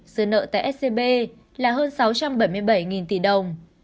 dư nợ tại scb là hơn sáu trăm bảy mươi bảy tỷ đồng